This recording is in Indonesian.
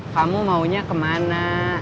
kamu maunya kemana